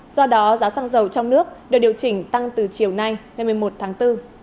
do đó giá xăng dầu trong nước được điều chỉnh tăng từ chiều nay ngày một mươi một tháng bốn